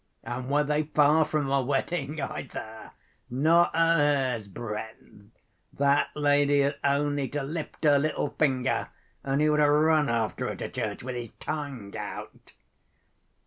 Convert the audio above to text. And were they far from a wedding, either? Not a hair's‐breadth: that lady had only to lift her little finger and he would have run after her to church, with his tongue out."